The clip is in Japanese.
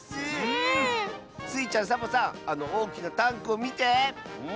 スイちゃんサボさんあのおおきなタンクをみて！